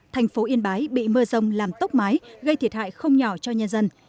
thành phố yên bái bị mưa rông làm tốc mái gây thiệt hại không nhỏ cho nhân dân